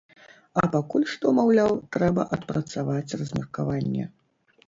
А пакуль што, маўляў, трэба адпрацаваць размеркаванне.